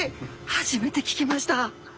初めて聞きました。